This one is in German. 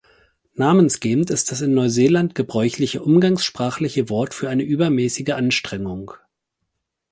Namensgebend ist das in Neuseeland gebräuchliche umgangssprachliche Wort für eine übermäßige Anstrengung.